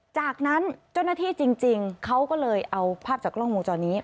จากนั้นเจ้าหน้าที่จริงเขาก็เลยเอาภาพจากกล้องวงจรปิด